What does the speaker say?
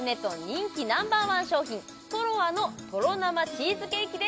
人気ナンバーワン商品ｔｏｒｏａのとろ生チーズケーキです